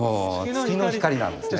月の光なんですね。